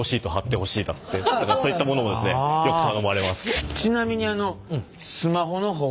そういったものもですねよく頼まれます。